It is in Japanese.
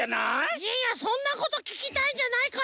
いやいやそんなことききたいんじゃないから。